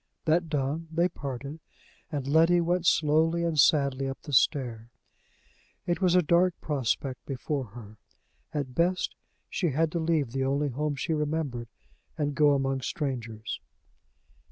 That done, they parted, and Letty went slowly and sadly up the stair. It was a dark prospect before her. At best, she had to leave the only home she remembered, and go among strangers.